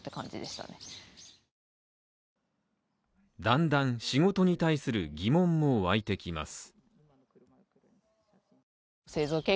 だんだん、仕事に対する疑問もわいてきます。